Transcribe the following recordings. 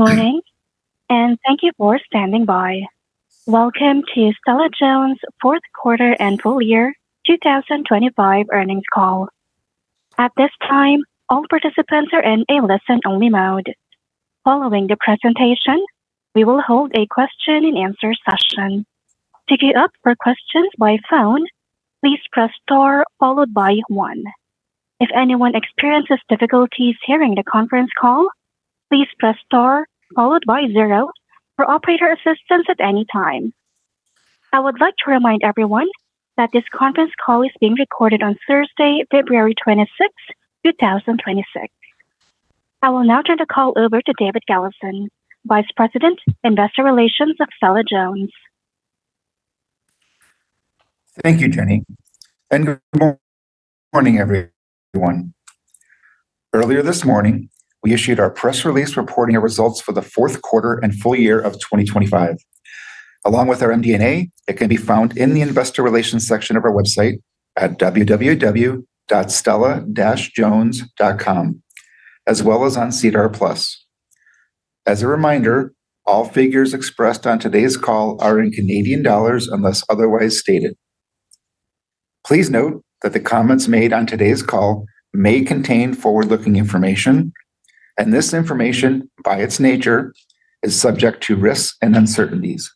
Good morning, and thank you for standing by. Welcome to Stella-Jones' fourth quarter and full year 2025 earnings call. At this time, all participants are in a listen-only mode. Following the presentation, we will hold a question and answer session. To queue up for questions by phone, please press star 1. If anyone experiences difficulties hearing the conference call, please press star 0 for operator assistance at any time. I would like to remind everyone that this conference call is being recorded on Thursday, February 26, 2026. I will now turn the call over to David Galison, Vice President, Investor Relations of Stella-Jones. Thank you, Jenny. Good morning, everyone. Earlier this morning, we issued our press release reporting our results for the fourth quarter and full year of 2025. Along with our MD&A, it can be found in the investor relations section of our website at www.stella-jones.com, as well as on SEDAR+. As a reminder, all figures expressed on today's call are in Canadian dollars, unless otherwise stated. Please note that the comments made on today's call may contain forward-looking information, and this information, by its nature, is subject to risks and uncertainties.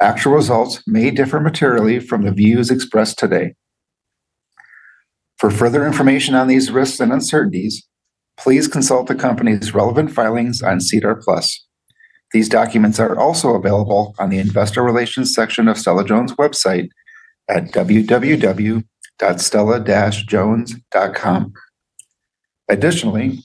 Actual results may differ materially from the views expressed today. For further information on these risks and uncertainties, please consult the company's relevant filings on SEDAR+. These documents are also available on the investor relations section of Stella-Jones' website at www.stella-jones.com. Additionally,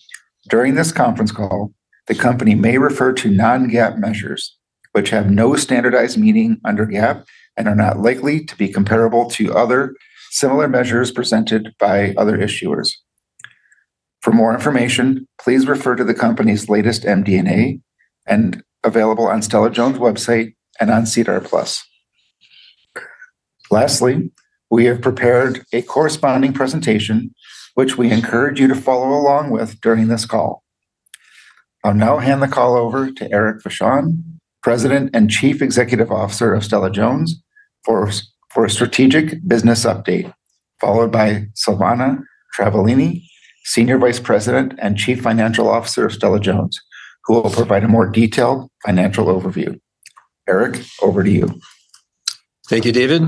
during this conference call, the company may refer to non-GAAP measures, which have no standardized meaning under GAAP and are not likely to be comparable to other similar measures presented by other issuers. For more information, please refer to the company's latest MD&A and available on Stella-Jones' website and on SEDAR+. Lastly, we have prepared a corresponding presentation, which we encourage you to follow along with during this call. I'll now hand the call over to Eric Vachon, President and Chief Executive Officer of Stella-Jones, for a strategic business update, followed by Silvana Travaglini, Senior Vice President and Chief Financial Officer of Stella-Jones, who will provide a more detailed financial overview. Eric, over to you. Thank you, David.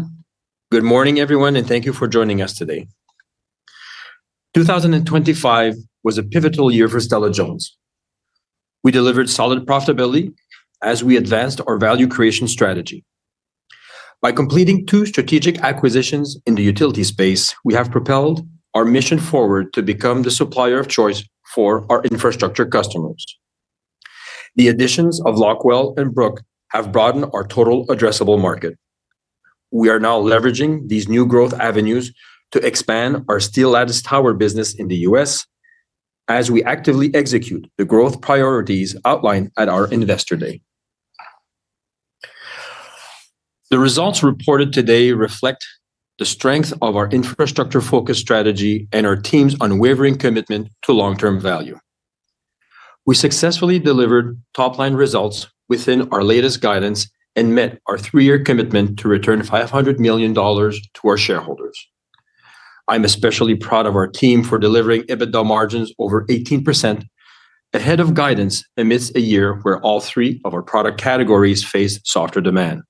Good morning, everyone, and thank you for joining us today. 2025 was a pivotal year for Stella-Jones. We delivered solid profitability as we advanced our value creation strategy. By completing two strategic acquisitions in the utility space, we have propelled our mission forward to become the supplier of choice for our infrastructure customers. The additions of Locweld and Brooks have broadened our total addressable market. We are now leveraging these new growth avenues to expand our steel lattice tower business in the U.S. as we actively execute the growth priorities outlined at our Investor Day. The results reported today reflect the strength of our infrastructure-focused strategy and our team's unwavering commitment to long-term value. We successfully delivered top-line results within our latest guidance and met our three-year commitment to return 500 million dollars to our shareholders. I'm especially proud of our team for delivering EBITDA margins over 18%, ahead of guidance amidst a year where all three of our product categories faced softer demand.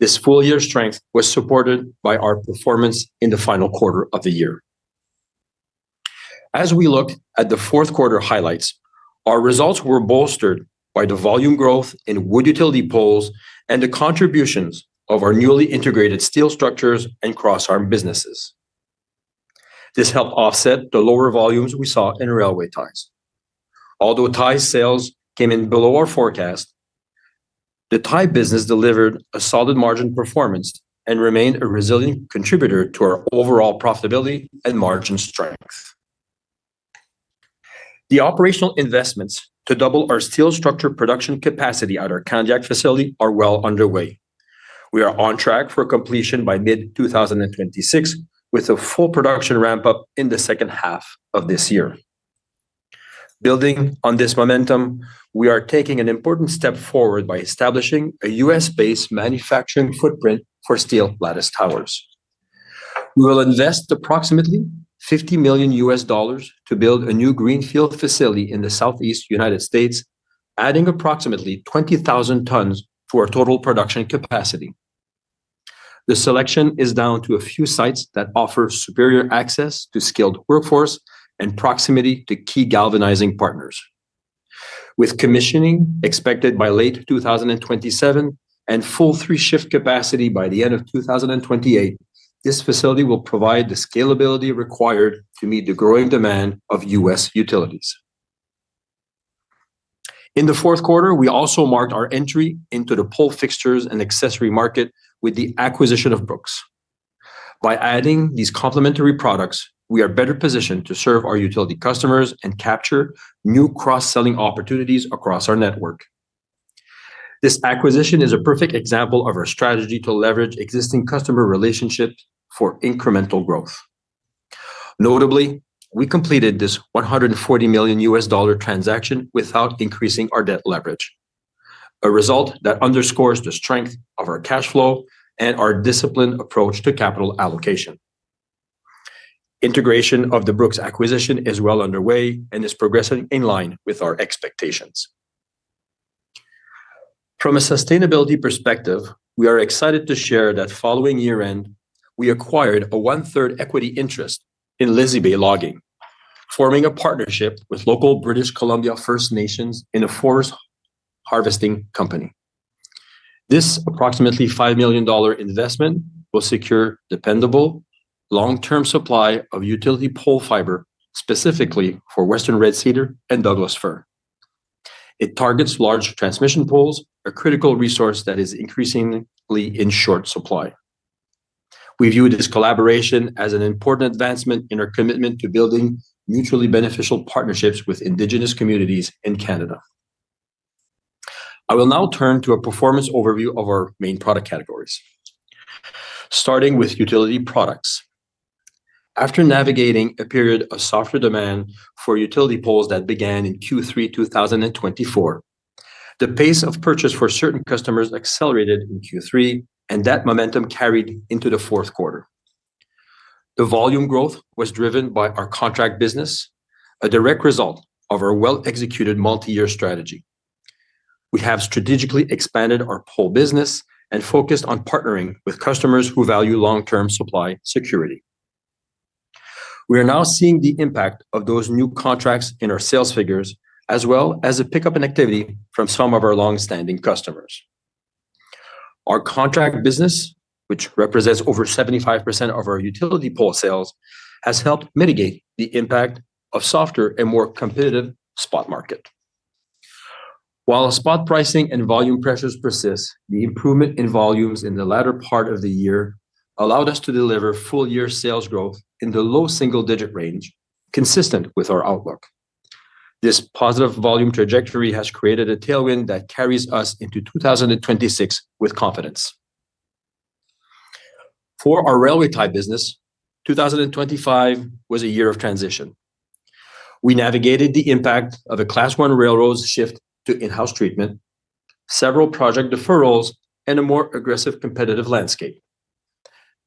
This full year strength was supported by our performance in the final quarter of the year. As we look at the fourth quarter highlights, our results were bolstered by the volume growth in wood utility poles and the contributions of our newly integrated steel structures and crossarm businesses. This helped offset the lower volumes we saw in railway ties. Although tie sales came in below our forecast, the tie business delivered a solid margin performance and remained a resilient contributor to our overall profitability and margin strength. The operational investments to double our steel structure production capacity at our Kandiyohi facility are well underway. We are on track for completion by mid-2026, with a full production ramp-up in the second half of this year. Building on this momentum, we are taking an important step forward by establishing a U.S.-based manufacturing footprint for steel lattice towers. We will invest approximately $50 million to build a new greenfield facility in the Southeast United States, adding approximately 20,000 tons to our total production capacity. The selection is down to a few sites that offer superior access to skilled workforce and proximity to key galvanizing partners. With commissioning expected by late 2027 and full three-shift capacity by the end of 2028, this facility will provide the scalability required to meet the growing demand of U.S. utilities. In the fourth quarter, we also marked our entry into the pole fixtures and accessory market with the acquisition of Brooks. By adding these complementary products, we are better positioned to serve our utility customers and capture new cross-selling opportunities across our network. This acquisition is a perfect example of our strategy to leverage existing customer relationships for incremental growth. Notably, we completed this $140 million transaction without increasing our debt leverage, a result that underscores the strength of our cash flow and our disciplined approach to capital allocation. Integration of the Brooks acquisition is well underway and is progressing in line with our expectations. From a sustainability perspective, we are excited to share that following year-end, we acquired a one-third equity interest in Lizzie Bay Logging, forming a partnership with local British Columbia First Nations in a forest harvesting company. This approximately 5 million dollar investment will secure dependable, long-term supply of utility pole fiber, specifically for western red cedar and Douglas fir. It targets large transmission poles, a critical resource that is increasingly in short supply. We view this collaboration as an important advancement in our commitment to building mutually beneficial partnerships with Indigenous communities in Canada. I will now turn to a performance overview of our main product categories, starting with utility products. After navigating a period of softer demand for utility poles that began in Q3, 2024, the pace of purchase for certain customers accelerated in Q3, and that momentum carried into the fourth quarter. The volume growth was driven by our contract business, a direct result of our well-executed multi-year strategy. We have strategically expanded our pole business and focused on partnering with customers who value long-term supply security. We are now seeing the impact of those new contracts in our sales figures, as well as a pickup in activity from some of our long-standing customers. Our contract business, which represents over 75% of our utility pole sales, has helped mitigate the impact of softer and more competitive spot market. While spot pricing and volume pressures persist, the improvement in volumes in the latter part of the year allowed us to deliver full-year sales growth in the low single-digit range, consistent with our outlook. This positive volume trajectory has created a tailwind that carries us into 2026 with confidence. For our railway tie business, 2025 was a year of transition. We navigated the impact of a Class I railroad's shift to in-house treatment, several project deferrals, and a more aggressive competitive landscape.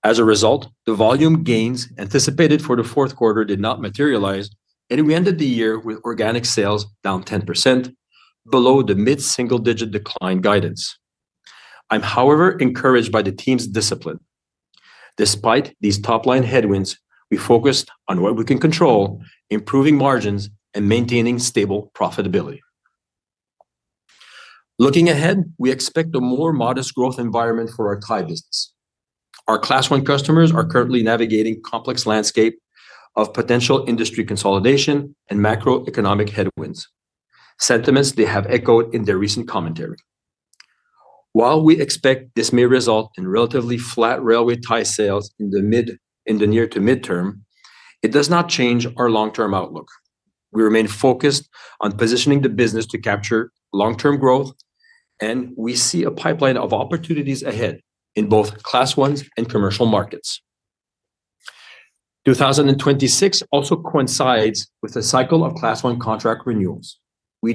As a result, the volume gains anticipated for the fourth quarter did not materialize, and we ended the year with organic sales down 10% below the mid-single-digit decline guidance. I'm, however, encouraged by the team's discipline. Despite these top-line headwinds, we focused on what we can control, improving margins, and maintaining stable profitability. Looking ahead, we expect a more modest growth environment for our tie business. Our Class I customers are currently navigating complex landscape of potential industry consolidation and macroeconomic headwinds, sentiments they have echoed in their recent commentary. While we expect this may result in relatively flat railway tie sales in the near to mid-term, it does not change our long-term outlook. We remain focused on positioning the business to capture long-term growth, and we see a pipeline of opportunities ahead in both Class Is and commercial markets. 2026 also coincides with a cycle of Class I contract renewals. We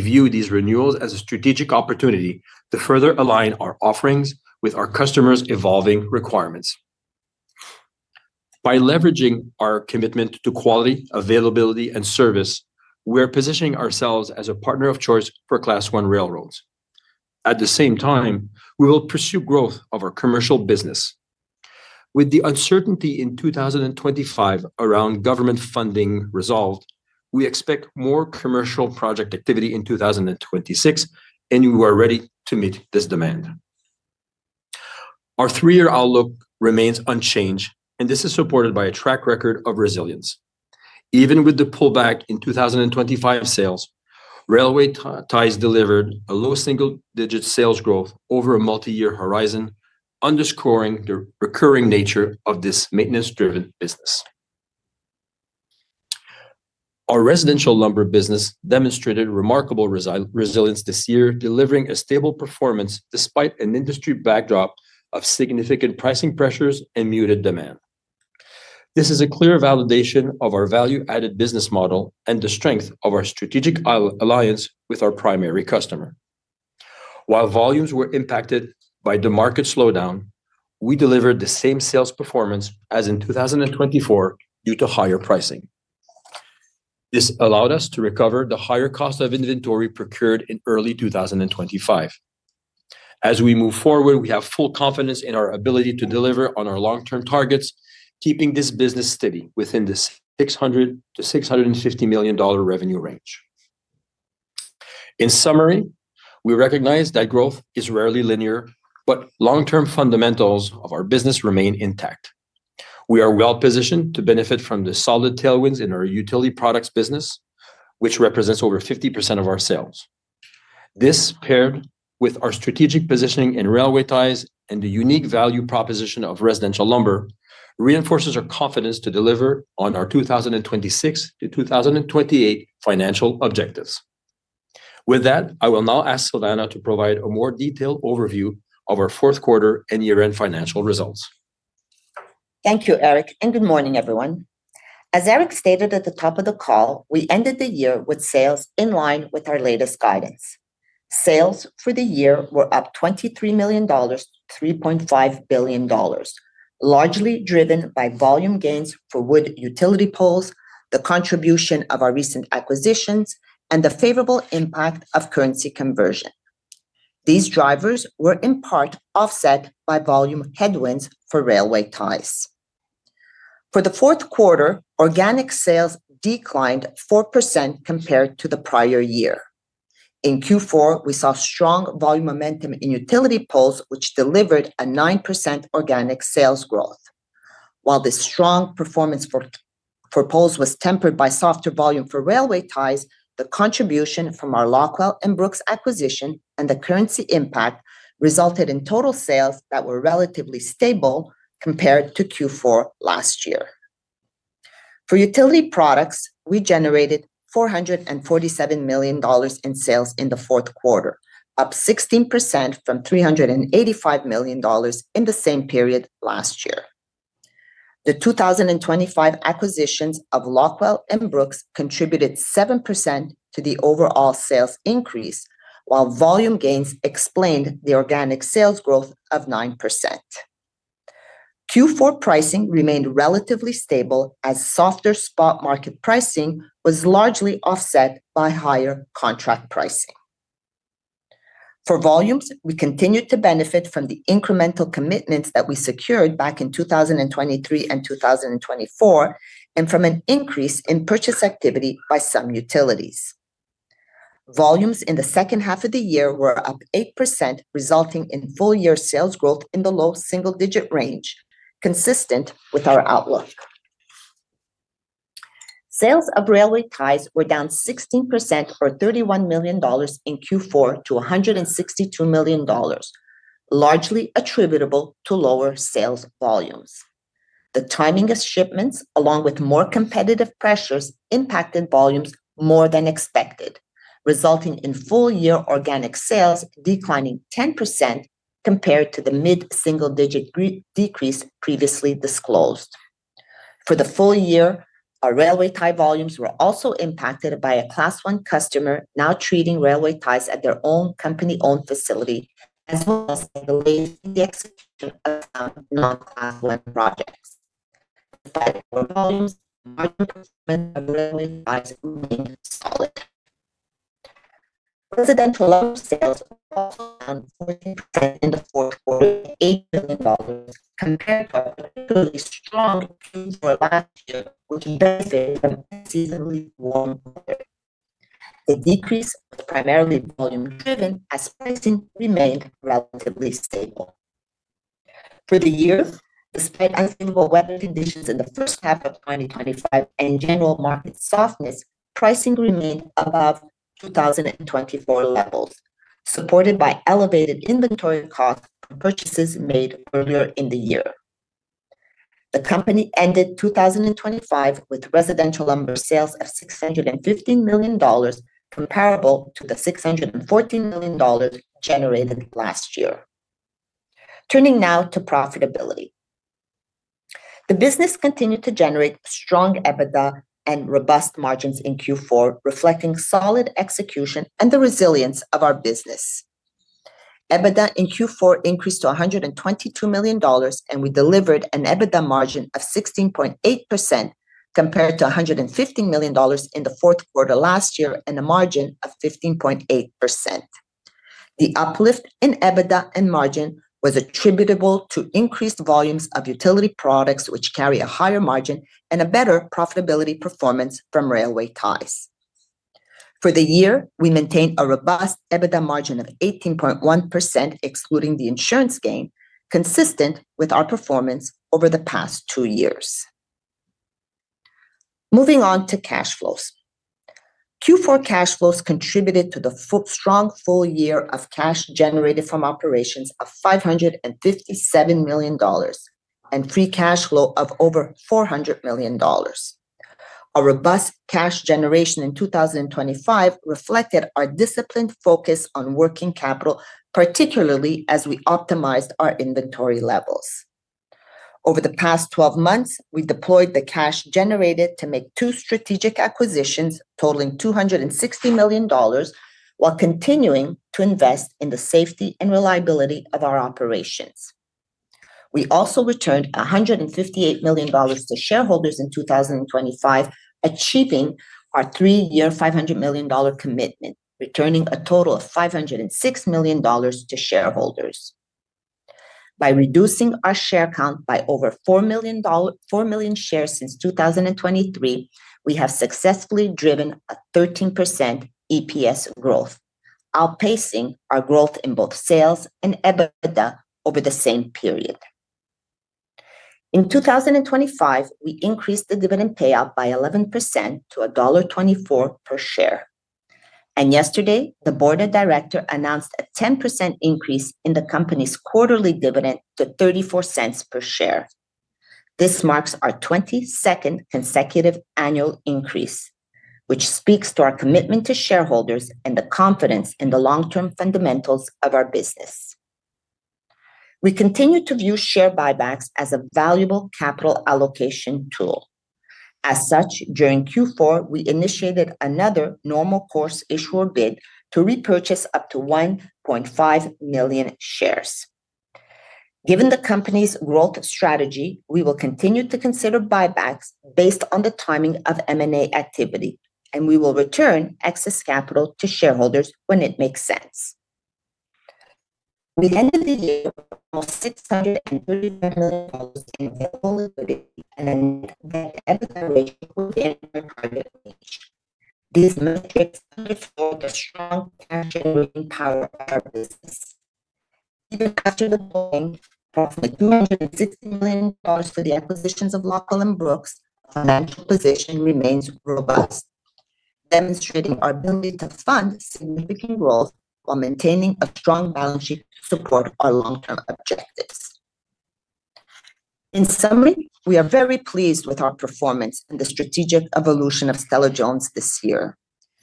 view these renewals as a strategic opportunity to further align our offerings with our customers' evolving requirements. By leveraging our commitment to quality, availability, and service, we are positioning ourselves as a partner of choice for Class I railroads. At the same time, we will pursue growth of our commercial business. With the uncertainty in 2025 around government funding resolved, we expect more commercial project activity in 2026, and we are ready to meet this demand. Our 3-year outlook remains unchanged, and this is supported by a track record of resilience. Even with the pullback in 2025 sales, railway ties delivered a low single-digit sales growth over a multi-year horizon, underscoring the recurring nature of this maintenance-driven business. Our residential lumber business demonstrated remarkable resilience this year, delivering a stable performance despite an industry backdrop of significant pricing pressures and muted demand. This is a clear validation of our value-added business model and the strength of our strategic alliance with our primary customer. While volumes were impacted by the market slowdown, we delivered the same sales performance as in 2024 due to higher pricing. This allowed us to recover the higher cost of inventory procured in early 2025. As we move forward, we have full confidence in our ability to deliver on our long-term targets, keeping this business steady within the 600 million-650 million dollar revenue range. In summary, we recognize that growth is rarely linear, but long-term fundamentals of our business remain intact. We are well-positioned to benefit from the solid tailwinds in our utility products business, which represents over 50% of our sales. This, paired with our strategic positioning in railway ties and the unique value proposition of residential lumber, reinforces our confidence to deliver on our 2026-2028 financial objectives. With that, I will now ask Silvana to provide a more detailed overview of our fourth quarter and year-end financial results. Thank you, Eric, and good morning, everyone. As Eric stated at the top of the call, we ended the year with sales in line with our latest guidance. Sales for the year were up 23 million dollars to 3.5 billion dollars, largely driven by volume gains for wood utility poles, the contribution of our recent acquisitions, and the favorable impact of currency conversion. These drivers were in part offset by volume headwinds for railway ties. For the fourth quarter, organic sales declined 4% compared to the prior year. In Q4, we saw strong volume momentum in utility poles, which delivered a 9% organic sales growth. While the strong performance for poles was tempered by softer volume for railway ties, the contribution from our Locweld and Brooks acquisition and the currency impact resulted in total sales that were relatively stable compared to Q4 last year. For utility products, we generated 447 million dollars in sales in the fourth quarter, up 16% from 385 million dollars in the same period last year. The 2025 acquisitions of Locweld and Brooks contributed 7% to the overall sales increase, while volume gains explained the organic sales growth of 9%. Q4 pricing remained relatively stable as softer spot market pricing was largely offset by higher contract pricing. For volumes, we continued to benefit from the incremental commitments that we secured back in 2023 and 2024, and from an increase in purchase activity by some utilities. Volumes in the second half of the year were up 8%, resulting in full year sales growth in the low single-digit range, consistent with our outlook. Sales of railway ties were down 16% or 31 million dollars in Q4 to 162 million dollars, largely attributable to lower sales volumes. The timing of shipments, along with more competitive pressures, impacted volumes more than expected, resulting in full year organic sales declining 10% compared to the mid-single digit decrease previously disclosed. For the full year, our railway tie volumes were also impacted by a Class I customer now treating railway ties at their own company-owned facility, as well as the execution of non-Class I projects. Market railway ties remained solid. Residential sales in Q4, 8 billion dollars, compared to a particularly strong Q4 last year, which benefited from a seasonally warm quarter. The decrease was primarily volume-driven, as pricing remained relatively stable. For the year, despite unfavorable weather conditions in the first half of 2025 and general market softness, pricing remained above 2024 levels, supported by elevated inventory costs from purchases made earlier in the year. The company ended 2025 with residential lumber sales of 650 million dollars, comparable to the 614 million dollars generated last year. Turning now to profitability. The business continued to generate strong EBITDA and robust margins in Q4, reflecting solid execution and the resilience of our business. EBITDA in Q4 increased to 122 million dollars, and we delivered an EBITDA margin of 16.8%, compared to 150 million dollars in the fourth quarter last year, and a margin of 15.8%. The uplift in EBITDA and margin was attributable to increased volumes of utility products, which carry a higher margin and a better profitability performance from railway ties. For the year, we maintained a robust EBITDA margin of 18.1%, excluding the insurance gain, consistent with our performance over the past two years. Moving on to cash flows. Q4 cash flows contributed to the strong full year of cash generated from operations of 557 million dollars and free cash flow of over 400 million dollars. Our robust cash generation in 2025 reflected our disciplined focus on working capital, particularly as we optimized our inventory levels. Over the past 12 months, we deployed the cash generated to make 2 strategic acquisitions, totaling 260 million dollars, while continuing to invest in the safety and reliability of our operations. We also returned 158 million dollars to shareholders in 2025, achieving our 3-year 500 million dollar commitment, returning a total of 506 million dollars to shareholders. By reducing our share count by over 4 million shares since 2023, we have successfully driven a 13% EPS growth, outpacing our growth in both sales and EBITDA over the same period. In 2025, we increased the dividend payout by 11% to dollar 1.24 per share. Yesterday, the board of directors announced a 10% increase in the company's quarterly dividend to 0.34 per share. This marks our 22nd consecutive annual increase, which speaks to our commitment to shareholders and the confidence in the long-term fundamentals of our business. We continue to view share buybacks as a valuable capital allocation tool. As such, during Q4, we initiated another normal course issuer bid to repurchase up to 1.5 million shares. Given the company's growth strategy, we will continue to consider buybacks based on the timing of M&A activity, and we will return excess capital to shareholders when it makes sense. We ended the year with CAD 635 million in available liquidity and a net debt-to-EBITDA ratio within our target range. These metrics underscore the strong cash-generating power of our business. Even after the payment of CAD 260 million for the acquisitions of Locweld and Brooks, our financial position remains robust, demonstrating our ability to fund significant growth while maintaining a strong balance sheet to support our long-term objectives. In summary, we are very pleased with our performance and the strategic evolution of Stella-Jones this year.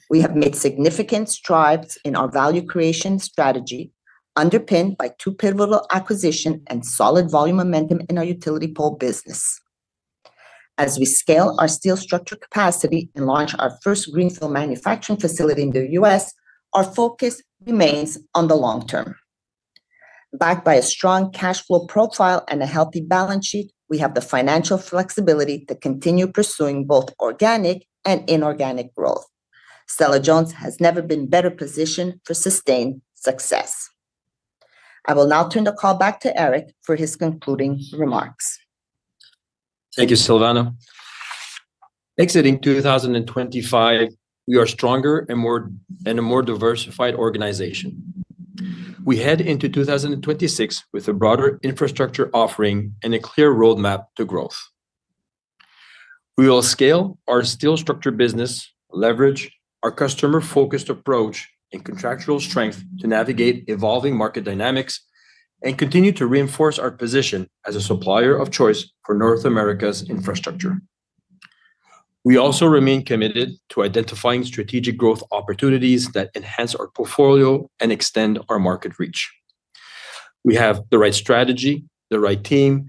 We have made significant strides in our value creation strategy, underpinned by two pivotal acquisition and solid volume momentum in our utility pole business. As we scale our steel structure capacity and launch our first greenfield manufacturing facility in the US, our focus remains on the long term. Backed by a strong cash flow profile and a healthy balance sheet, we have the financial flexibility to continue pursuing both organic and inorganic growth. Stella-Jones has never been better positioned for sustained success. I will now turn the call back to Eric for his concluding remarks. Thank you, Silvana. Exiting 2025, we are stronger and a more diversified organization. We head into 2026 with a broader infrastructure offering and a clear roadmap to growth. We will scale our steel structure business, leverage our customer-focused approach and contractual strength to navigate evolving market dynamics, and continue to reinforce our position as a supplier of choice for North America's infrastructure. We also remain committed to identifying strategic growth opportunities that enhance our portfolio and extend our market reach. We have the right strategy, the right team,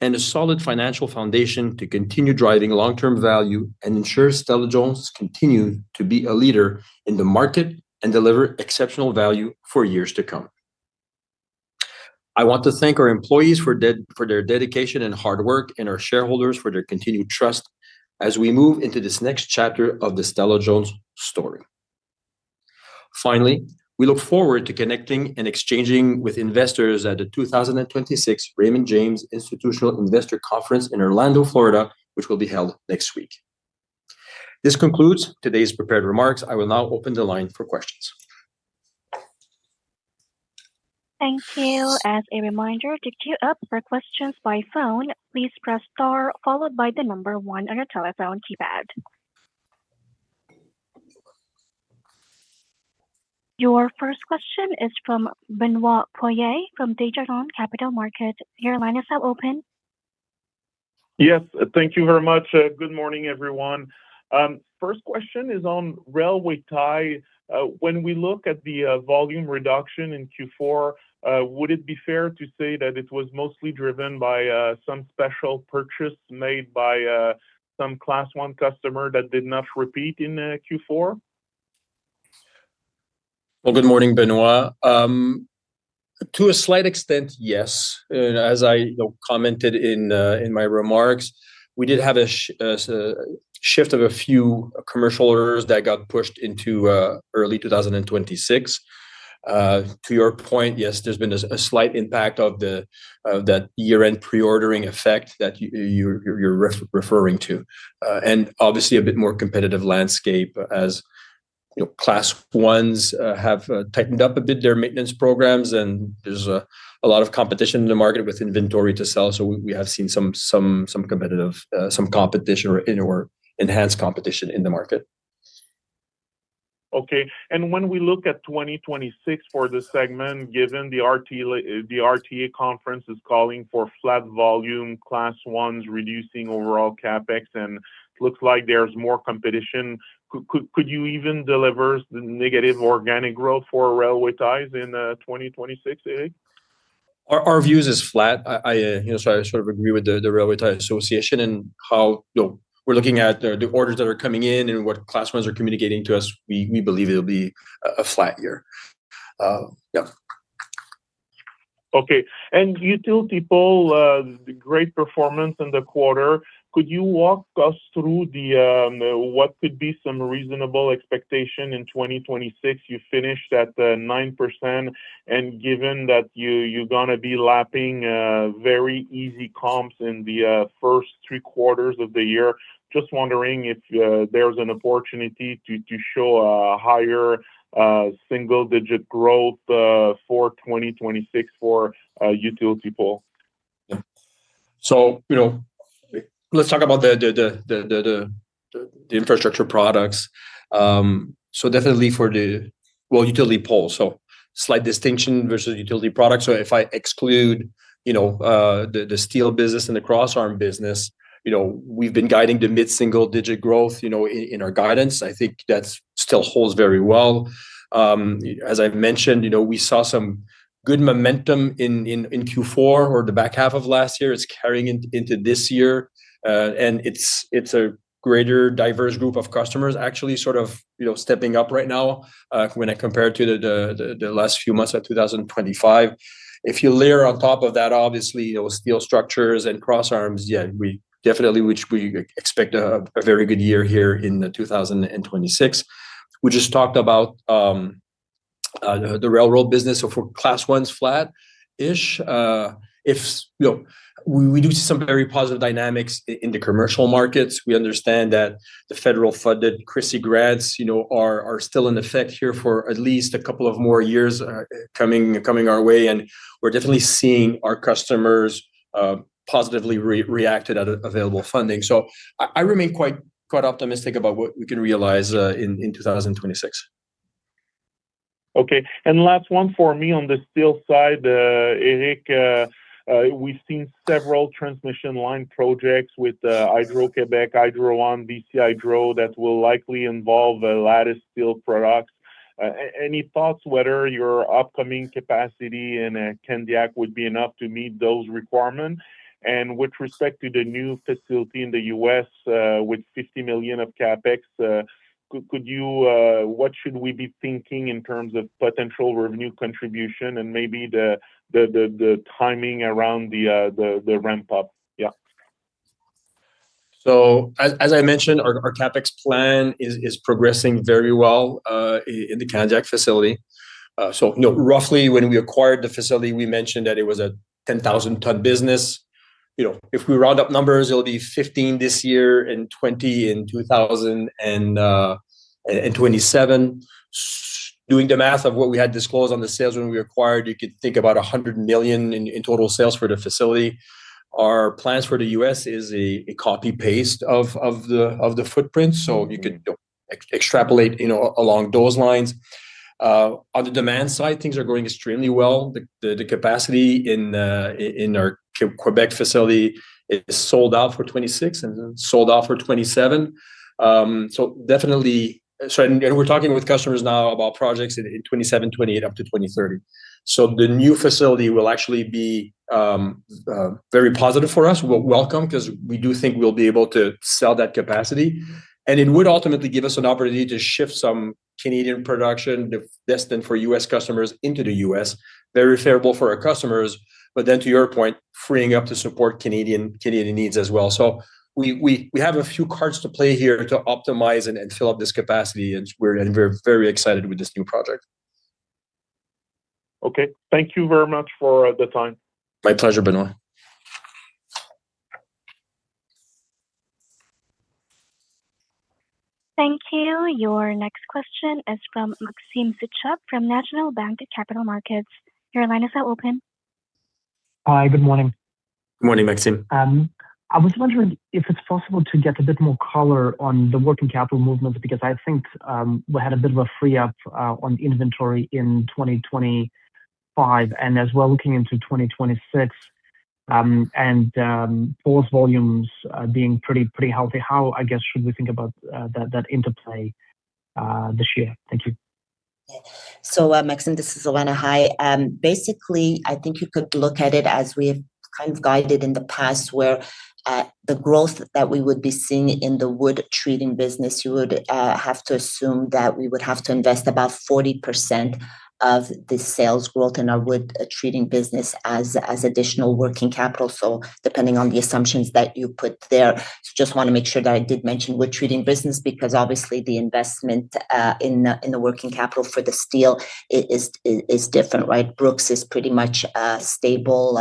and a solid financial foundation to continue driving long-term value and ensure Stella-Jones continue to be a leader in the market and deliver exceptional value for years to come. I want to thank our employees for their dedication and hard work, our shareholders for their continued trust as we move into this next chapter of the Stella-Jones story. Finally, we look forward to connecting and exchanging with investors at the 2026 Raymond James Institutional Investor Conference in Orlando, Florida, which will be held next week. This concludes today's prepared remarks. I will now open the line for questions. Thank you. As a reminder, to queue up for questions by phone, please press star followed by the number one on your telephone keypad. Your first question is from Benoit Poirier, from Desjardins Capital Markets. Your line is now open. Yes, thank you very much. Good morning, everyone. First question is on railway tie. When we look at the volume reduction in Q4, would it be fair to say that it was mostly driven by some special purchase made by some Class I customer that did not repeat in Q4? Well, good morning, Benoit. To a slight extent, yes. As I, you know, commented in my remarks, we did have a shift of a few commercial orders that got pushed into early 2026. To your point, yes, there's been a slight impact of that year-end pre-ordering effect that you're referring to. Obviously a bit more competitive landscape as, you know, Class Is have tightened up a bit their maintenance programs, and there's a lot of competition in the market with inventory to sell, we have seen some competition or enhanced competition in the market. Okay. When we look at 2026 for this segment, given the RTA, the RTA conference is calling for flat volume, Class Is reducing overall CapEx, and looks like there's more competition. Could you even deliver the negative organic growth for railway ties in 2026, Eric? Our view is flat. I, you know, so I sort of agree with the Railway Tie Association and how. You know, we're looking at the orders that are coming in and what Class Is are communicating to us. We believe it'll be a flat year. Yeah. Okay. utility pole, great performance in the quarter. Could you walk us through the what could be some reasonable expectation in 2026? You finished at 9%, and given that you're gonna be lapping very easy comps in the first 3 quarters of the year, just wondering if there's an opportunity to show a higher single-digit growth for 2026 for utility pole. you know, let's talk about the infrastructure products. Well, utility poles, so slight distinction versus utility products. If I exclude, you know, the steel business and the crossarm business, you know, we've been guiding to mid-single digit growth, you know, in our guidance. I think that still holds very well. As I've mentioned, you know, we saw some good momentum in Q4 or the back half of last year. It's carrying into this year, and it's a greater diverse group of customers actually, sort of, you know, stepping up right now, when I compare it to the last few months of 2025. If you layer on top of that, obviously, you know, steel structures and crossarms, yeah, we definitely, which we expect a very good year here in 2026. We just talked about the railroad business. For Class Is flat-ish. You know, we do see some very positive dynamics in the commercial markets. We understand that the federal-funded CRISI grants, you know, are still in effect here for at least a couple of more years, coming our way, and we're definitely seeing our customers positively re-reacted at available funding. I remain quite optimistic about what we can realize in 2026. Okay, last one for me. On the steel side, Eric, we've seen several transmission line projects with Hydro-Québec, Hydro One, BC Hydro, that will likely involve a lattice steel products. Any thoughts whether your upcoming capacity in Candiac would be enough to meet those requirements? With respect to the new facility in the U.S., with $50 million of CapEx, could you, what should we be thinking in terms of potential revenue contribution and maybe the timing around the ramp up? Yeah. As I mentioned, our CapEx plan is progressing very well in the Candiac facility. You know, roughly when we acquired the facility, we mentioned that it was a 10,000 ton business. You know, if we round up numbers, it'll be 15 this year and 20 in 2027. Doing the math of what we had disclosed on the sales when we acquired, you could think about 100 million in total sales for the facility. Our plans for the U.S. is a copy-paste of the footprint, you could extrapolate, you know, along those lines. On the demand side, things are going extremely well. The capacity in our Quebec facility is sold out for 2026 and sold out for 2027. Definitely... We're talking with customers now about projects in 2027, 2028, up to 2030. The new facility will actually be very positive for us. We're welcome because we do think we'll be able to sell that capacity, and it would ultimately give us an opportunity to shift some Canadian production destined for US customers into the US. Very favorable for our customers, to your point, freeing up to support Canadian needs as well. We have a few cards to play here to optimize and fill up this capacity, and we're very excited with this new project. Okay. Thank you very much for the time. My pleasure, Benoit. Thank you. Your next question is from Maxim Sytchev from National Bank Capital Markets. Your line is now open. Hi, good morning. Good morning, Maxim. I was wondering if it's possible to get a bit more color on the working capital movement, because I think, we had a bit of a free-up on inventory in 2025, and as well, looking into 2026, and those volumes being pretty healthy, how, I guess, should we think about that interplay this year? Thank you. Maxim, this is Silvana. Hi. Basically, I think you could look at it as we've kind of guided in the past, where the growth that we would be seeing in the wood treating business, you would have to assume that we would have to invest about 40% of the sales growth in our wood treating business as additional working capital, depending on the assumptions that you put there. Just want to make sure that I did mention wood treating business, because obviously the investment in the working capital for the steel is different, right? Brooks is pretty much a stable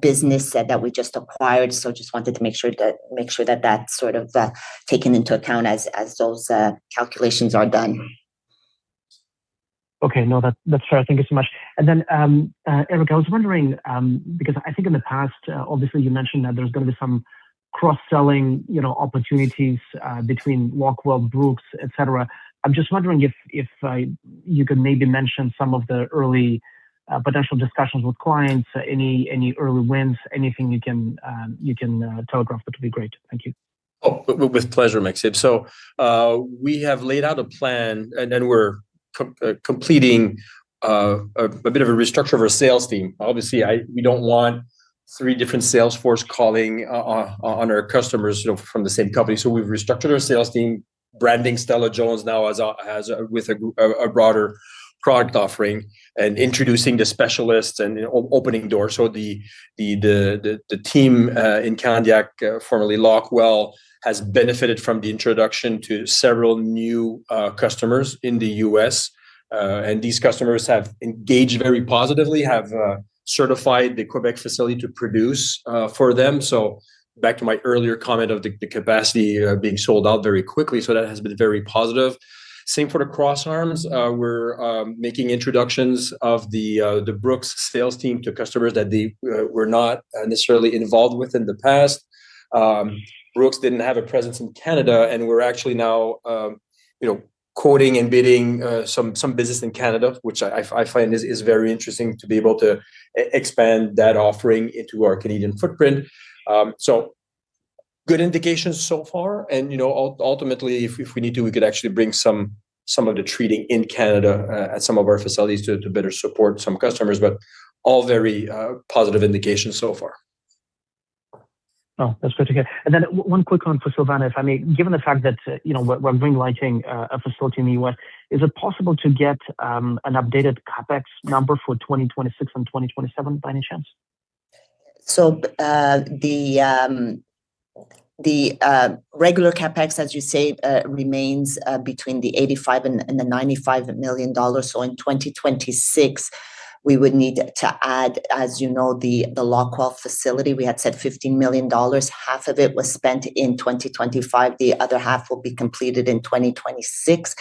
business that we just acquired, just wanted to make sure that that's sort of taken into account as those calculations are done. Okay, no, that's fair. Thank you so much. Eric, I was wondering, because I think in the past, obviously, you mentioned that there's going to be some cross-selling, you know, opportunities between Locweld-Brooks, et cetera. I'm just wondering if you could maybe mention some of the early potential discussions with clients, any early wins, anything you can telegraph, that would be great. Thank you. With pleasure, Maxim. We have laid out a plan, and then we're completing a bit of a restructure of our sales team. Obviously, we don't want three different sales force calling on our customers, you know, from the same company. We've restructured our sales team, branding Stella-Jones now as a with a broader product offering and introducing the specialists and opening doors. The team in Candiac, formerly Locweld, has benefited from the introduction to several new customers in the U.S., and these customers have engaged very positively, have certified the Quebec facility to produce for them. Back to my earlier comment of the capacity being sold out very quickly, so that has been very positive. Same for the crossarms. We're making introductions of the Brooks sales team to customers that they were not necessarily involved with in the past. Brooks didn't have a presence in Canada, and we're actually now, you know, quoting and bidding some business in Canada, which I find is very interesting to be able to expand that offering into our Canadian footprint. Good indications so far, and, you know, ultimately, if we need to, we could actually bring some of the treating in Canada at some of our facilities to better support some customers, but all very positive indications so far. Oh, that's good to hear. One quick one for Silvana, if I may. Given the fact that, you know, we're greenlighting a facility in the U.S., is it possible to get an updated CapEx number for 2026 and 2027, by any chance? The regular CapEx, as you say, remains between $85 million and $95 million. In 2026, we would need to add, as you know, the Locweld facility. We had said $15 million, half of it was spent in 2025, the other half will be completed in 2026.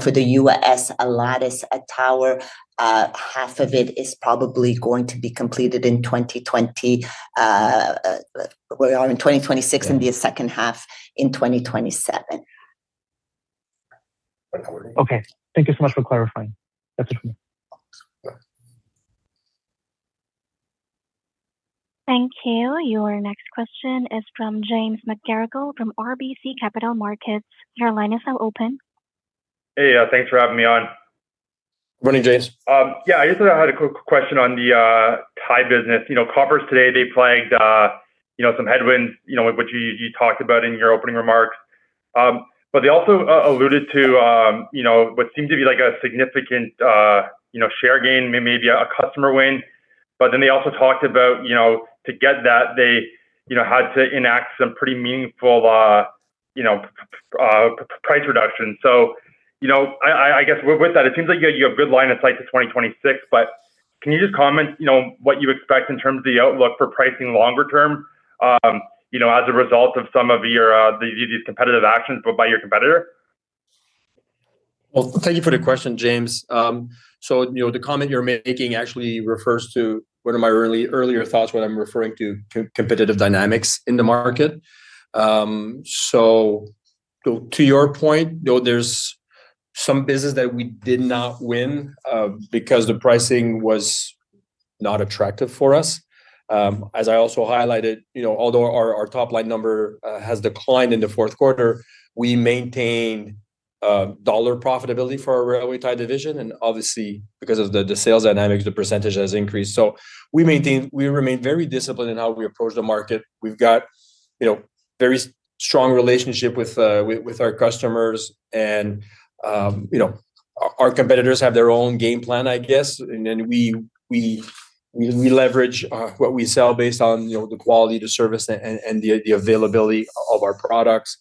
For the U.S. Lattice tower, half of it is probably going to be completed in 2026. Yeah. The second half in 2027. Okay. Thank you so much for clarifying. That's it for me. Thank you. Your next question is from James McGarragle from RBC Capital Markets. Your line is now open. Hey, thanks for having me on. Morning, James. Yeah, I just had a quick question on the tie business. You know, Koppers today, they plagued, you know, some headwinds, you know, which you talked about in your opening remarks. But they also alluded to, you know, what seemed to be like a significant, you know, share gain, maybe a customer win. They also talked about, you know, to get that they, you know, had to enact some pretty meaningful, you know, price reduction. You know, I guess with that, it seems like you have a good line of sight to 2026, but can you just comment, you know, what you expect in terms of the outlook for pricing longer term, you know, as a result of some of your these competitive actions, but by your competitor? Well, thank you for the question, James. You know, the comment you're making actually refers to one of my earlier thoughts when I'm referring to competitive dynamics in the market. To your point, though, there's some business that we did not win because the pricing was not attractive for us. As I also highlighted, you know, although our top-line number has declined in the fourth quarter, we maintain dollar profitability for our railway tie division, obviously, because of the sales dynamics, the percentage has increased. We remain very disciplined in how we approach the market. We've got, you know, very strong relationship with our customers, you know, our competitors have their own game plan, I guess. Then we leverage what we sell based on, you know, the quality, the service, and the availability of our products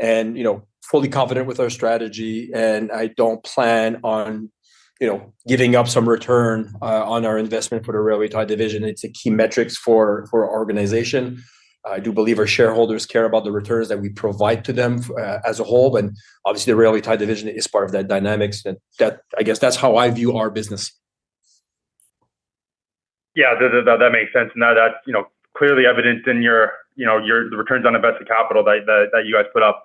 and, you know, fully confident with our strategy, and I don't plan on, you know, giving up some return on our investment for the Railway Tie division. It's a key metrics for our organization. I do believe our shareholders care about the returns that we provide to them as a whole, and obviously, the Railway Tie division is part of that dynamics. That's how I view our business. Yeah, that makes sense. That's, you know, clearly evidenced in your, you know, your returns on invested capital that you guys put up.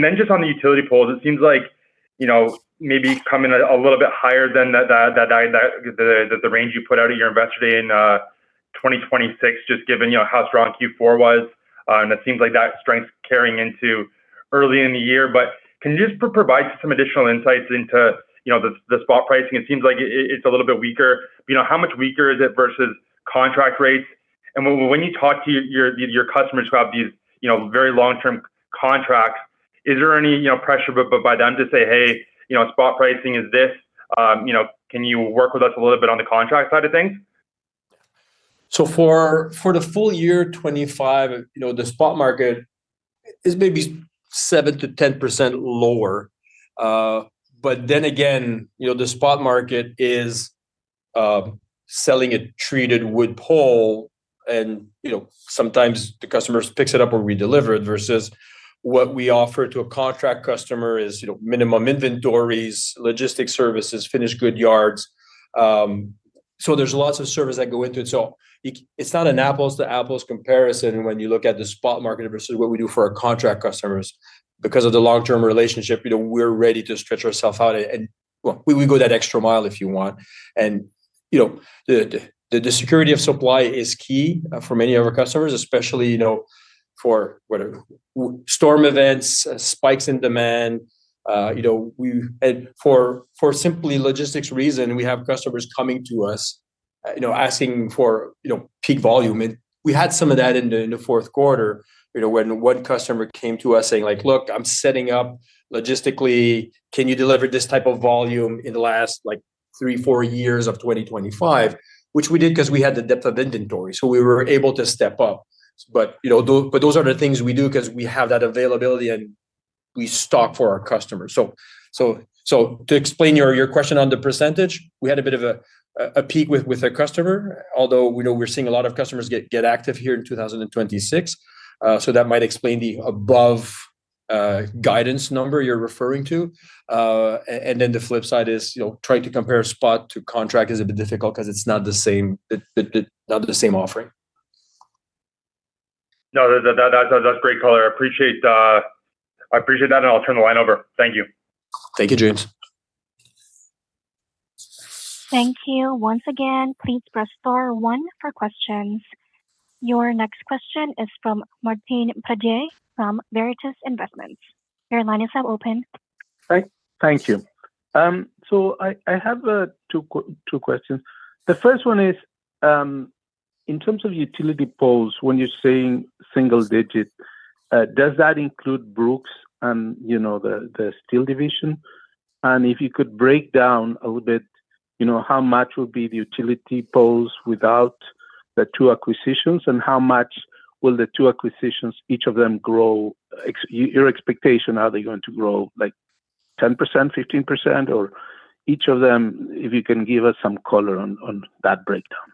Then just on the utility poles, it seems like, you know, maybe coming a little bit higher than the range you put out a year yesterday in 2026, just given, you know, how strong Q4 was. It seems like that strength carrying into early in the year. Can you just provide some additional insights into, you know, the spot pricing? It seems like it's a little bit weaker. You know, how much weaker is it versus contract rates? When you talk to your customers who have these, you know, very long-term contracts, is there any, you know, pressure by them to say, "Hey, you know, spot pricing is this, you know, can you work with us a little bit on the contract side of things? For the full year 2025, you know, the spot market is maybe 7%-10% lower. Again, you know, the spot market is selling a treated wood pole and, you know, sometimes the customer picks it up or we deliver it, versus what we offer to a contract customer is, you know, minimum inventories, logistics services, finished good yards. There's lots of services that go into it. It's not an apples to apples comparison when you look at the spot market versus what we do for our contract customers. Because of the long-term relationship, you know, we're ready to stretch ourselves out, and, well, we go that extra mile if you want. You know, the security of supply is key for many of our customers, especially, you know, for whether storm events, spikes in demand, you know. For simply logistics reason, we have customers coming to us, you know, asking for, you know, peak volume. We had some of that in the fourth quarter, you know, when one customer came to us saying like: "Look, I'm setting up logistically, can you deliver this type of volume in the last, like, 3, 4 years of 2025?" Which we did because we had the depth of inventory, so we were able to step up. You know, but those are the things we do because we have that availability, and we stock for our customers. To explain your question on the percentage, we had a bit of a peak with a customer, although we know we're seeing a lot of customers get active here in 2026. That might explain the above guidance number you're referring to. Then the flip side is, you know, trying to compare spot to contract is a bit difficult 'cause it's not the same, it not the same offering. No, that's great color. I appreciate that. I'll turn the line over. Thank you. Thank you, James. Thank you. Once again, please press star one for questions. Your next question is from Martin Pradier from Veritas Investment Research. Your line is now open. Hi. Thank you. So I have two questions. The first one is, in terms of utility poles, when you're saying single digit, does that include Brooks and, you know, the steel division? If you could break down a little bit, you know, how much would be the utility poles without the two acquisitions, and how much will the two acquisitions, each of them, grow your expectation, are they going to grow like 10%, 15%, or each of them, if you can give us some color on that breakdown?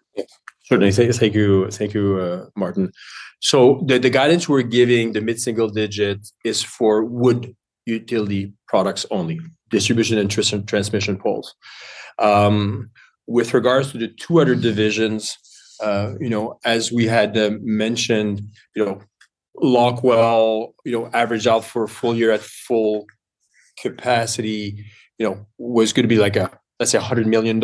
Certainly. Thank you. Thank you, Martin. The guidance we're giving, the mid-single digit, is for wood utility products only, distribution and transmission poles. With regards to the two other divisions, you know, as we had mentioned, you know, Locweld, you know, average out for a full year at full capacity, you know, was gonna be like a, let's say, $100 million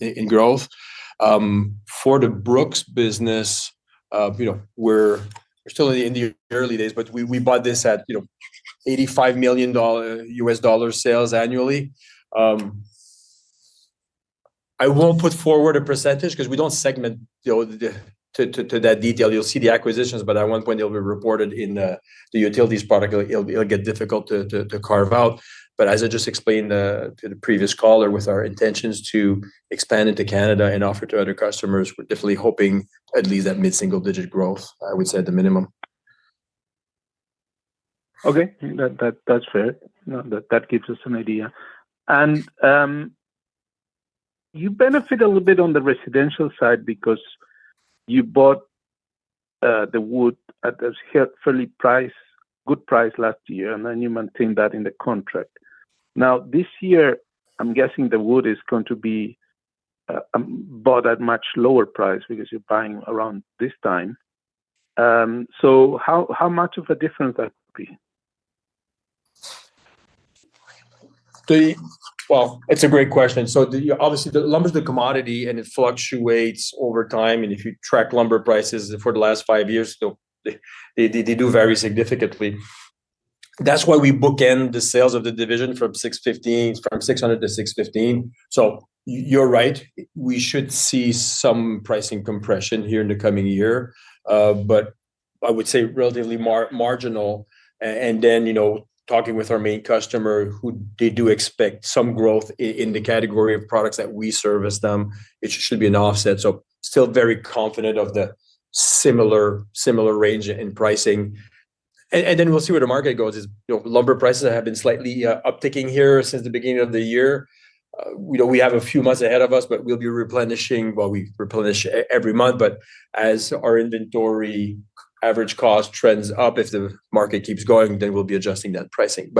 in growth. For the Brooks business, you know, we're still in the early days, but we bought this at, you know, $85 million US dollar sales annually. I won't put forward a percentage 'cause we don't segment, you know, to that detail. You'll see the acquisitions, but at one point, they'll be reported in the utilities product. It'll get difficult to carve out. As I just explained, to the previous caller, with our intentions to expand into Canada and offer to other customers, we're definitely hoping at least that mid-single-digit growth, I would say, at the minimum. Okay, that's fair. No, that gives us an idea. You benefit a little bit on the residential side because you bought the wood at a fairly price, good price last year, and then you maintained that in the contract. Now, this year, I'm guessing the wood is going to be bought at much lower price because you're buying around this time. How much of a difference that would be? Well, it's a great question. Obviously, the lumber is a commodity, and it fluctuates over time, and if you track lumber prices for the last five years, they do vary significantly. That's why we bookend the sales of the division from 615, from 600 to 615. You're right, we should see some pricing compression here in the coming year. I would say relatively marginal and then, you know, talking with our main customer, who they do expect some growth in the category of products that we service them, it should be an offset, still very confident of the similar range in pricing. Then we'll see where the market goes. You know, lumber prices have been slightly upticking here since the beginning of the year. We know we have a few months ahead of us, but we'll be replenishing. Well, we replenish every month, but as our inventory average cost trends up, if the market keeps going, then we'll be adjusting that pricing.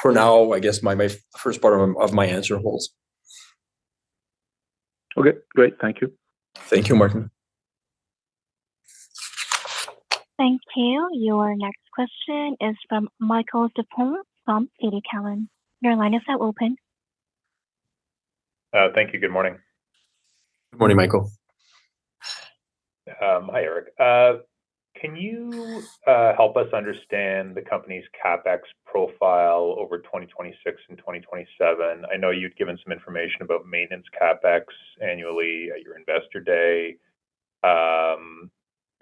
For now, I guess my first part of my answer holds. Okay, great. Thank you. Thank you, Martin. Thank you. Your next question is from Michael Tupholme from TD Cowen. Your line is now open. Thank you. Good morning. Good morning, Michael. Hi, Eric. Can you help us understand the company's CapEx profile over 2026 and 2027? I know you'd given some information about maintenance CapEx annually at your Investor Day.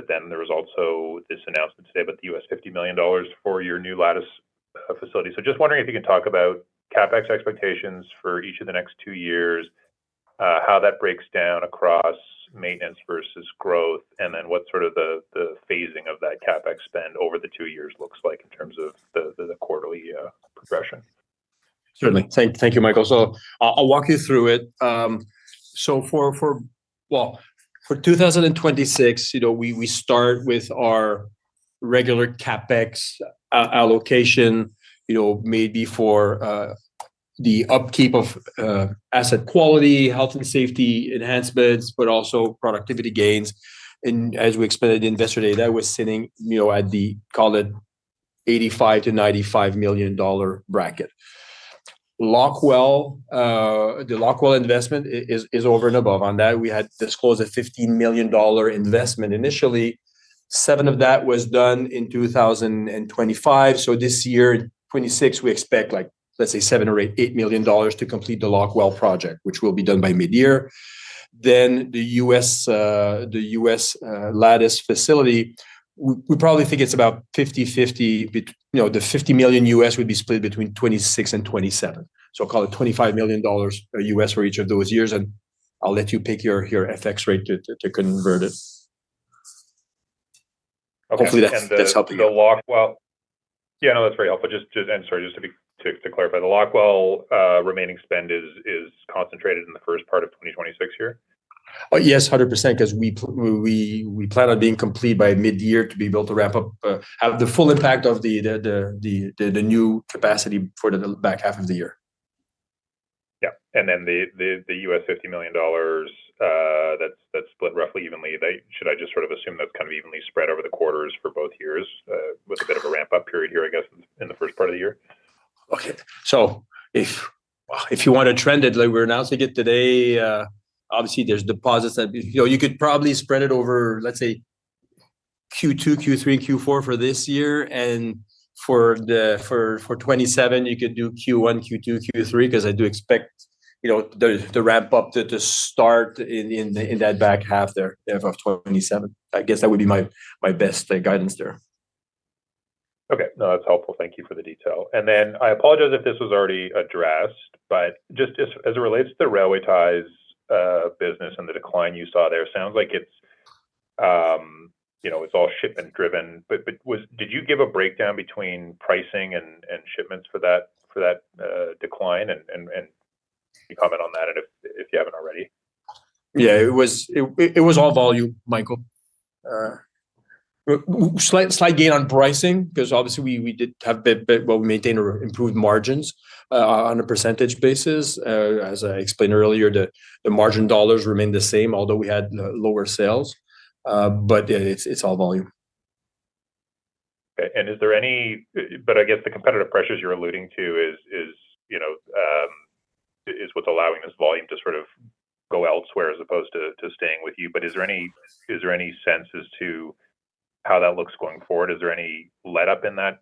There was also this announcement today about the U.S. $50 million for your new lattice facility. Just wondering if you can talk about CapEx expectations for each of the next two years, how that breaks down across maintenance versus growth, and then what sort of the phasing of that CapEx spend over the two years looks like in terms of the quarterly progression? Certainly. Thank you, Michael. I'll walk you through it. Well, for 2026, you know, we start with our regular CapEx allocation, you know, maybe for the upkeep of asset quality, health and safety enhancements, but also productivity gains. As we explained at the Investor Day, that was sitting, you know, at the, call it, 85 million-95 million dollar bracket. Locweld, the Locweld investment is over and above. On that, we had disclosed a 15 million dollar investment initially. Seven of that was done in 2025, this year, 2026, we expect like, let's say, seven or 8 million dollars to complete the Locweld project, which will be done by mid-year. The U.S. Lattice facility, we probably think it's about 50/50 you know, the $50 million U.S. would be split between 2026 and 2027, so call it $25 million U.S. for each of those years, and I'll let you pick your FX rate to, to convert it. Okay. Hopefully, that's helping you. Yeah, no, that's very helpful. Just, sorry, to be, to clarify, the Locweld remaining spend is concentrated in the first part of 2026 here? Yes, 100%, because we plan on being complete by mid-year to be able to wrap up, have the full impact of the new capacity for the back half of the year. Yeah, then the $50 million, that's split roughly evenly. Should I just sort of assume that's kind of evenly spread over the quarters for both years, with a bit of a ramp-up period here, I guess, in the first part of the year? If, if you want to trend it like we announced it today, obviously there's deposits that. You know, you could probably spread it over, let's say, Q2, Q3, Q4 for this year, and for 2027, you could do Q1, Q2, Q3, because I do expect, you know, the ramp up to start in that back half there, of 2027. I guess that would be my best guidance there. Okay. No, that's helpful. Thank you for the detail. I apologize if this was already addressed, but just as it relates to the railway ties business and the decline you saw there, sounds like it's, you know, it's all shipment driven. Did you give a breakdown between pricing and shipments for that decline? Can you comment on that if you haven't already? It was all volume, Michael. Slight gain on pricing, because obviously we did have a bit, but well, we maintained or improved margins on a percentage basis. As I explained earlier, the margin dollars remained the same, although we had lower sales. It's all volume. Okay. I guess the competitive pressures you're alluding to is, you know, is what's allowing this volume to sort of go elsewhere as opposed to staying with you. Is there any sense as to how that looks going forward? Is there any letup in that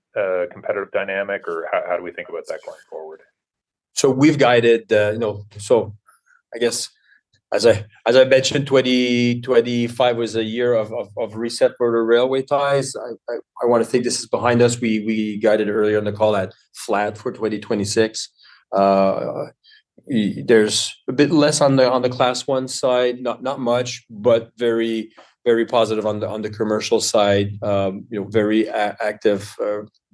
competitive dynamic, or how do we think about that going forward? We've guided, you know, I guess, as I mentioned, 2025 was a year of reset for the railway ties. I want to think this is behind us. We guided earlier in the call at flat for 2026. There's a bit less on the Class I side, not much, but very positive on the commercial side. You know, very active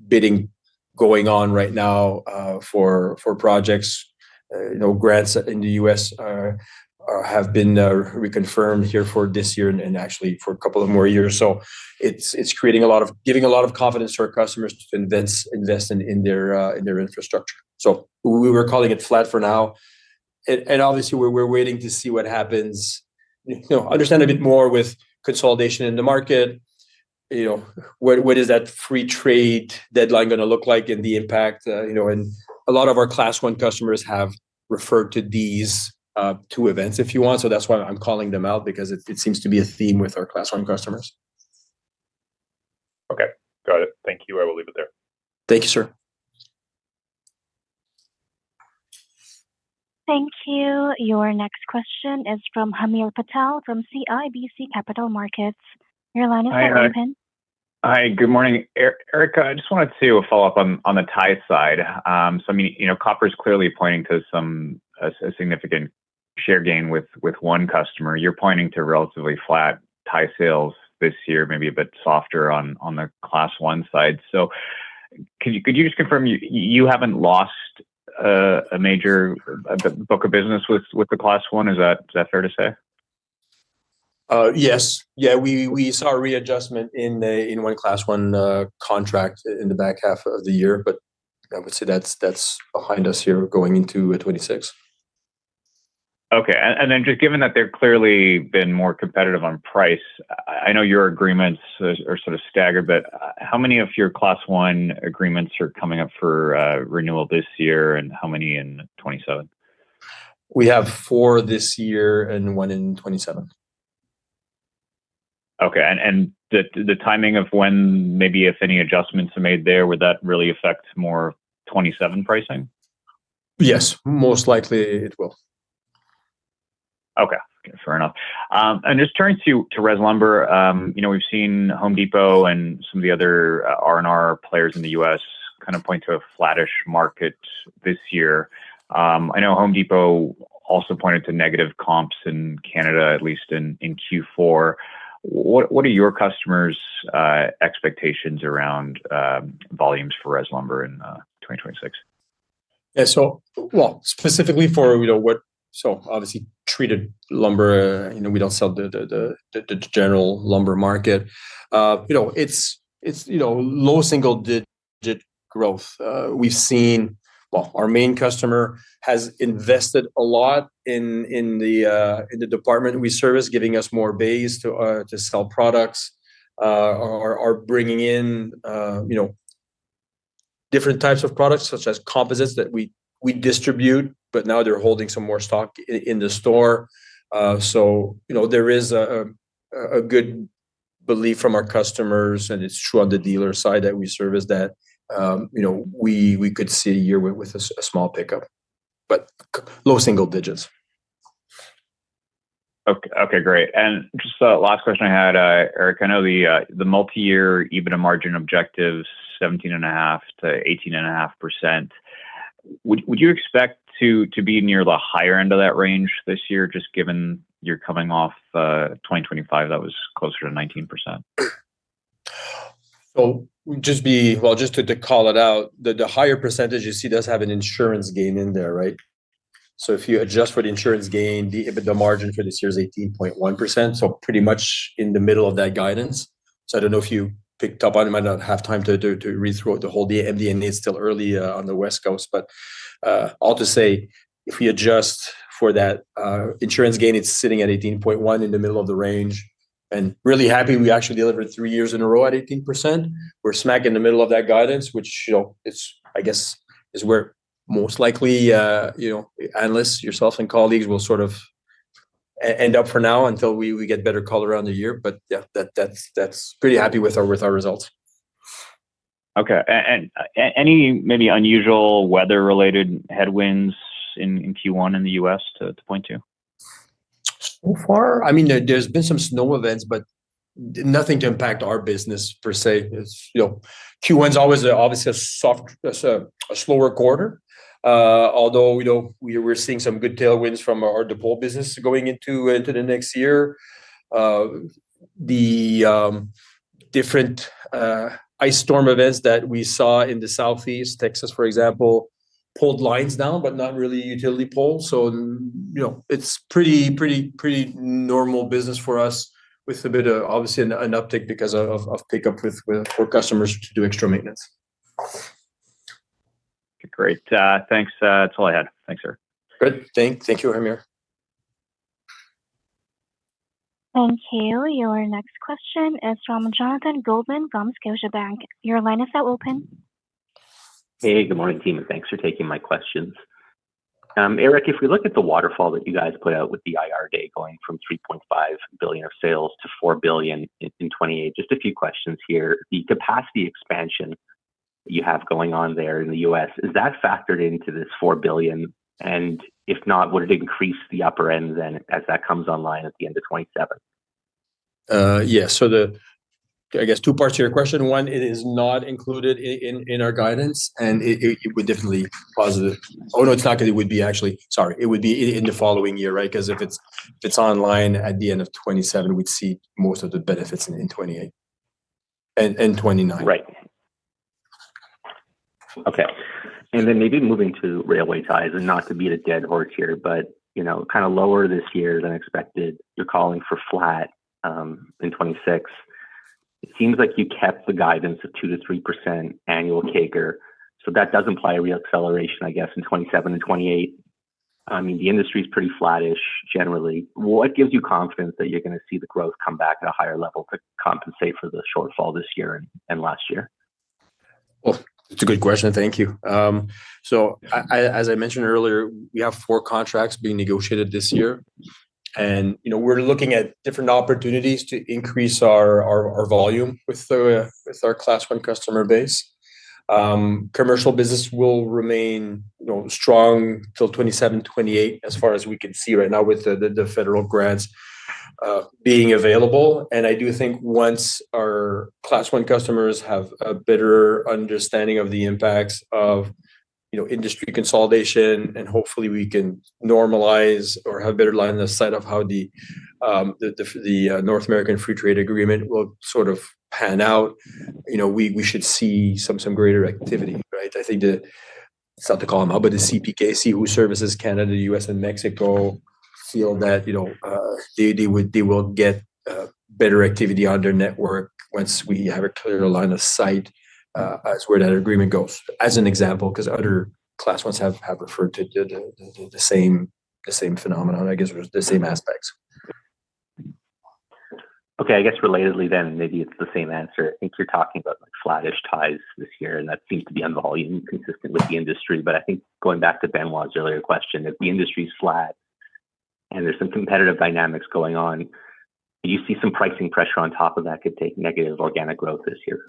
bidding going on right now for projects. You know, grants in the U.S. have been reconfirmed here for this year and actually for a couple of more years. It's creating a lot of giving a lot of confidence to our customers to invest in their infrastructure. We were calling it flat for now. Obviously, we're waiting to see what happens. You know, understand a bit more with consolidation in the market. You know, what is that free trade deadline going to look like and the impact, you know? A lot of our Class I customers have referred to these, two events if you want. That's why I'm calling them out, because it seems to be a theme with our Class I customers. Okay, got it. Thank you. I will leave it there. Thank you, sir. Thank you. Your next question is from Hamir Patel, from CIBC Capital Markets. Your line is now open. Hi. Good morning, Eric. I just wanted to follow up on the tie side. I mean, you know, Koppers clearly pointing to some a significant share gain with one customer. You're pointing to relatively flat tie sales this year, maybe a bit softer on the Class I side. Could you just confirm, you haven't lost a major book of business with the Class I? Is that fair to say? Yes. We saw a readjustment in one Class I contract in the back half of the year, but I would say that's behind us here going into 2026. Okay. Just given that they're clearly been more competitive on price, I know your agreements are sort of staggered, but how many of your Class I agreements are coming up for renewal this year, and how many in 2027? We have 4 this year and 1 in 2027. Okay. The timing of when maybe if any adjustments are made there, would that really affect more 27 pricing? Yes, most likely it will. Okay, fair enough. Just turning to res lumber, you know, we've seen Home Depot and some of the other R&R players in the U.S. kind of point to a flattish market this year. I know Home Depot also pointed to negative comps in Canada, at least in Q4. What, what are your customers' expectations around volumes for res lumber in 2026? Yeah, well, specifically for, you know, so obviously, treated lumber, you know, we don't sell the general lumber market. You know, it's, you know, low single digit growth. We've seen. Well, our main customer has invested a lot in the department we service, giving us more base to sell products. Are bringing in, you know, different types of products, such as composites that we distribute, but now they're holding some more stock in the store. You know, there is a good belief from our customers, and it's true on the dealer side that we service, that, you know, we could see a year with a small pickup, but low single digits. Okay, great. Just a last question I had, Eric, I know the multiyear EBITDA margin objectives, 17.5%-18.5%. Would you expect to be near the higher end of that range this year, just given you're coming off 2025, that was closer to 19%? Well, just to call it out, the higher percentage you see does have an insurance gain in there, right? If you adjust for the insurance gain, the EBITDA margin for this year is 18.1%, pretty much in the middle of that guidance. I don't know if you picked up on it, might not have time to read through it, the whole thing, and it's still early on the West Coast. All to say, if we adjust for that insurance gain, it's sitting at 18.1% in the middle of the range. Really happy we actually delivered 3 years in a row at 18%. We're smack in the middle of that guidance, which, you know, it's, I guess, is where most likely, you know, analysts, yourself and colleagues, will sort of end up for now until we get better color around the year. Yeah, that's pretty happy with our results. Okay. And any maybe unusual weather-related headwinds in Q1 in the US to point to? Far, I mean, there's been some snow events, but nothing to impact our business per se. As you know, Q1 is always, obviously a soft, a slower quarter. Although, you know, we're seeing some good tailwinds from our Locweld business going into the next year. The different ice storm events that we saw in the Southeast, Texas, for example, pulled lines down, but not really utility poles. You know, it's pretty normal business for us with a bit of, obviously, an uptick because of pickup with for customers to do extra maintenance. Great. Thanks, that's all I had. Thanks, sir. Great. Thank you, Amir. Thank you. Your next question is from Jonathan Goldman from Scotiabank. Your line is now open. Hey, good morning, team, thanks for taking my questions. Eric, if we look at the waterfall that you guys put out with the Investor Day, going from 3.5 billion of sales to 4 billion in 2028, just a few questions here. The capacity expansion you have going on there in the U.S., is that factored into this 4 billion? If not, would it increase the upper end then, as that comes online at the end of 2027? Yeah. The I guess two parts to your question. One, it is not included in our guidance, and it would definitely positive... Oh, no, it's not that it would be actually. Sorry, it would be in the following year, right? 'Cause if it's online at the end of 2027, we'd see most of the benefits in 2028, in 2029. Right. Okay. Maybe moving to railway ties, and not to beat a dead horse here, but, you know, kind of lower this year than expected. You're calling for flat in 26. It seems like you kept the guidance of 2%-3% annual CAGR. That does imply a reacceleration, I guess, in 27 and 28. I mean, the industry is pretty flattish generally. What gives you confidence that you're gonna see the growth come back at a higher level to compensate for the shortfall this year and last year? Well, it's a good question. Thank you. As I mentioned earlier, we have four contracts being negotiated this year, you know, we're looking at different opportunities to increase our volume with our Class I customer base. Commercial business will remain, you know, strong till 2027, 2028, as far as we can see right now with the federal grants being available. I do think once our Class I customers have a better understanding of the impacts of, you know, industry consolidation, and hopefully, we can normalize or have a better line of sight of how the North American Free Trade Agreement will sort of pan out, you know, we should see some greater activity, right? I think the... Sorry to call them out, the CPKC, who services Canada, U.S., and Mexico, feel that, you know, they will get better activity on their network once we have a clearer line of sight as where that agreement goes. As an example, because other Class Is have referred to the same phenomenon, I guess, or the same aspects. Okay, I guess relatedly then, maybe it's the same answer. I think you're talking about like flattish ties this year, and that seems to be on volume, consistent with the industry. I think going back to Benoit's earlier question, if the industry is flat and there's some competitive dynamics going on, do you see some pricing pressure on top of that could take negative organic growth this year?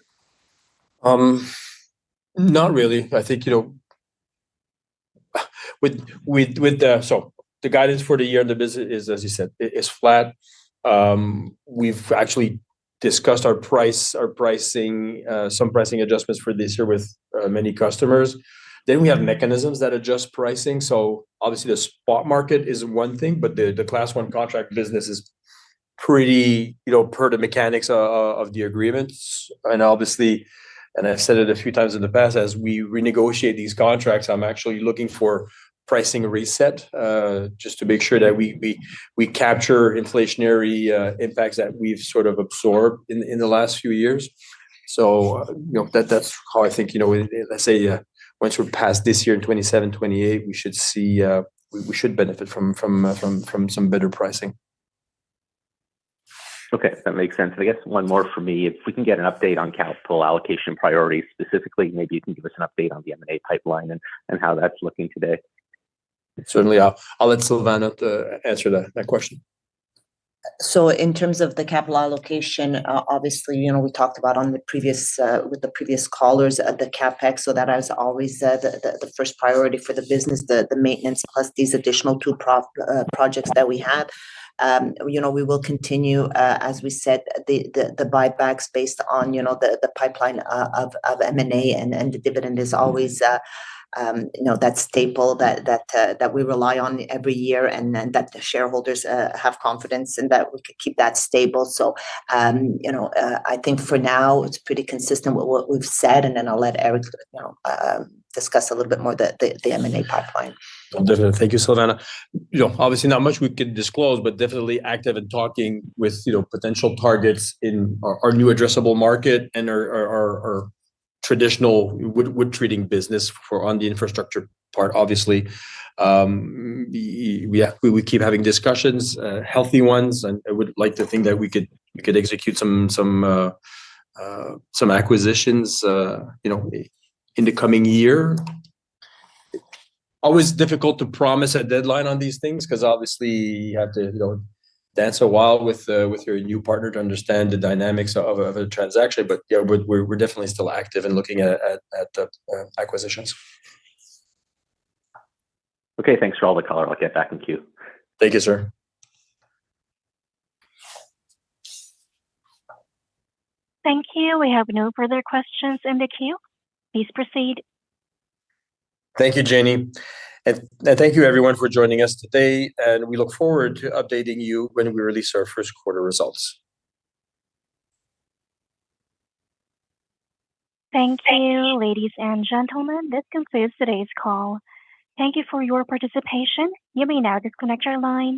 Not really. I think, you know, with the guidance for the year, the business is, as you said, it is flat. We've actually discussed our price, our pricing, some pricing adjustments for this year with many customers. We have mechanisms that adjust pricing. Obviously, the spot market is one thing, but the Class I contract business is pretty, you know, per the mechanics of the agreements. Obviously, and I've said it a few times in the past, as we renegotiate these contracts, I'm actually looking for pricing reset, just to make sure that we capture inflationary impacts that we've sort of absorbed in the last few years. You know, that's how I think, you know, let's say, once we're past this year, in 27, 28, we should see, we should benefit from some better pricing. Okay, that makes sense. I guess one more from me. If we can get an update on capital allocation priorities, specifically, maybe you can give us an update on the M&A pipeline and how that's looking today? Certainly. I'll let Silvana answer that question. In terms of the capital allocation, obviously, you know, we talked about on the previous, with the previous callers, the CapEx. That is always the first priority for the business, the maintenance, plus these additional two projects that we have. You know, we will continue, as we said, the buybacks based on, you know, the pipeline of M&A, and the dividend is always, you know, that staple that we rely on every year, and then that the shareholders have confidence and that we can keep that stable. You know, I think for now, it's pretty consistent with what we've said, and then I'll let Eric, you know, discuss a little bit more the M&A pipeline. Thank you, Silvana. You know, obviously not much we can disclose, but definitely active in talking with, you know, potential targets in our new addressable market and our traditional wood treating business on the infrastructure part, obviously. We keep having discussions, healthy ones, and I would like to think that we could execute some acquisitions, you know, in the coming year. Always difficult to promise a deadline on these things, because obviously, you have to, you know, dance a while with your new partner to understand the dynamics of a transaction. Yeah, we're definitely still active in looking at the acquisitions. Okay, thanks for all the color. I'll get back in queue. Thank you, sir. Thank you. We have no further questions in the queue. Please proceed. Thank you, Jenny. Thank you, everyone, for joining us today, and we look forward to updating you when we release our first quarter results. Thank you, ladies and gentlemen. This concludes today's call. Thank you for your participation. You may now disconnect your line.